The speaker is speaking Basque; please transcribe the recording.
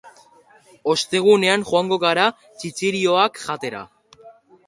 Ostegunean joango gara txitxirioak jatera.